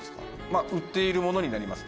まあ売っているものになります。